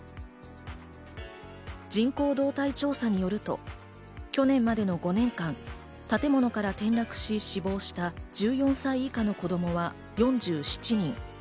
人口動態調査によると、去年までの５年間、建物から転落し、死亡した１４歳以下の子供は４７人。